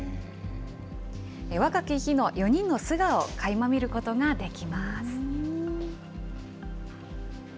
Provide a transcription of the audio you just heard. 若き日の４人の素顔をかいま見ることができます。